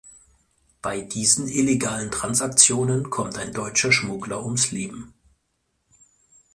Bei diesen illegalen Transaktionen kommt ein deutscher Schmuggler ums Leben.